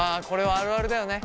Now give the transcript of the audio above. あるあるだよ。